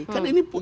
kan ini proses